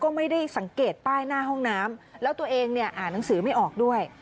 ก็ไม่ได้สังเกตป้ายหน้าห้องน้ำแล้วตัวเองเนี่ยอ่านหนังสือไม่ออกด้วย